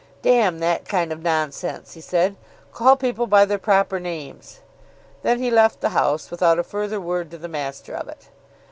"Damn that kind of nonsense," he said. "Call people by their proper names." Then he left the house without a further word to the master of it.